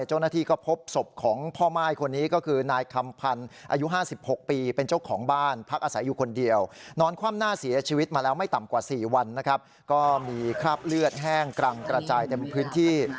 แห้งกรั่งกระจายเต็มพื้นที่